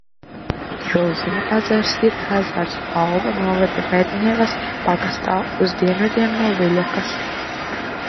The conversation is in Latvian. Ilziņu ezers ir ezers Balvu novada Medņevas pagastā, uz dienvidiem no Viļakas.